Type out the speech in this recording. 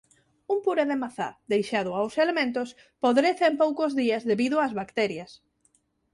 Un puré de mazá deixado aos elementos podrece en poucos días debido ás bacterias.